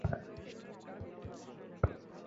আমি এটার বর্তমান ব্যাচের সদস্য।